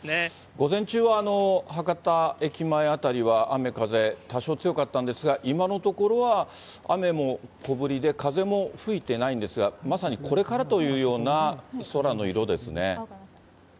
午前中は博多駅前辺りは雨風、多少強かったんですが、今のところは雨も小降りで風も吹いてないんですが、まさにこれからというような空の色ですね。